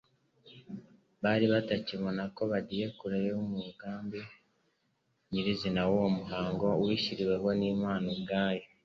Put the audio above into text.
Bari batakibona ko bagiye kure y'umugambi nyirizina w'uwo muhango wishyiriweho n'Imana ubwayo.